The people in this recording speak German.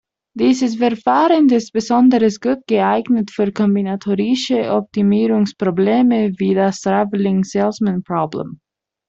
Dieses Verfahren ist besonders gut geeignet für kombinatorische Optimierungsprobleme wie das Traveling Salesman Problem.